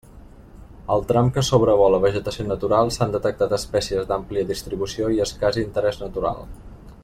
Al tram que sobrevola vegetació natural, s'han detectat espècies d'àmplia distribució i escàs interés natural.